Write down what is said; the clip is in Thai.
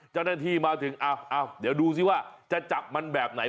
เจ้าหน้าที่มาถึงอ้าวเดี๋ยวดูสิว่าจะจับมันแบบไหน